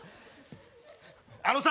あのさ！